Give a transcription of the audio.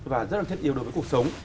và rất là thiết yếu đối với cuộc sống